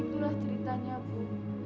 begitulah ceritanya bu